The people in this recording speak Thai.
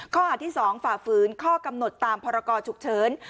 ข้อหาที่๒ฝ่าฝืนข้อกำหนดตามพรกรฉุกเฉิน